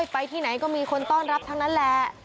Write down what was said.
ไปที่ไหนก็มีคนต้อนรับทั้งนั้นแหละ